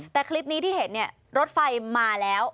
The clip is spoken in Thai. แต่คลิปนี้ที่เห็นเนี่ยรถไฟมาแล้ว